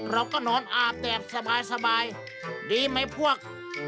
เราก็นอนอาบแดดสบายดีไหมพวก